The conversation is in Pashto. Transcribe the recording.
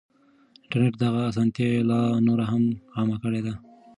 انټرنټ دغه اسانتيا لا نوره هم عامه کړې ده.